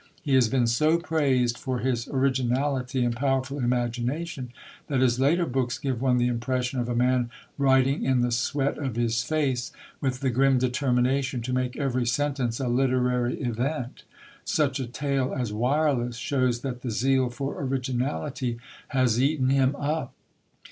He has been so praised for his originality and powerful imagination, that his later books give one the impression of a man writing in the sweat of his face, with the grim determination to make every sentence a literary event. Such a tale as Wireless shows that the zeal for originality has eaten him up.